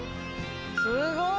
すごい！